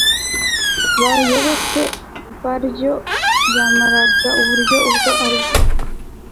bayoboke baryo yamagana uburyo ubwo ari bwo